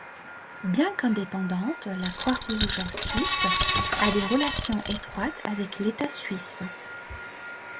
Bien qu’indépendante, la Croix-Rouge suisse a des relations étroites avec l’Etat suisse.